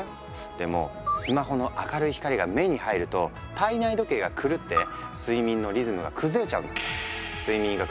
でもスマホの明るい光が目に入ると体内時計が狂って睡眠のリズムが崩れちゃうんだって。